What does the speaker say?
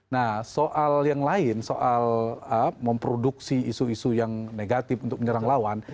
nah soal yang lain soal memproduksi isu isu yang negatif untuk menyerang lawan